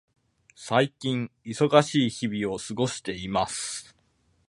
最近、忙しい日々を過ごしています。